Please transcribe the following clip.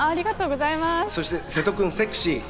そして瀬戸君、セクシー！